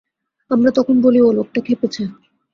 আমরা তখন বলি, ও লোকটা খেপেছে।